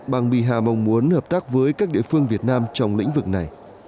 bang biha mong muốn hợp tác với các địa phương việt nam trong lĩnh vực này